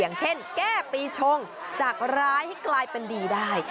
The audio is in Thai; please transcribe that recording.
อย่างเช่นแก้ปีชงจากร้ายให้กลายเป็นดีได้